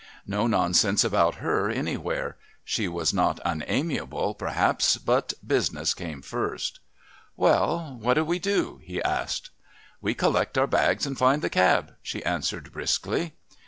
No nonsense about her anywhere. She was not unamiable, perhaps, but business came first. "Well, what do we do?" he asked. "We collect our bags and find the cab," she answered briskly.